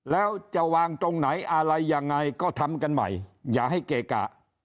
แล้วจะวางตรงไหนอะไรยังไงก็ทำกันใหม่อย่าให้เกะกะ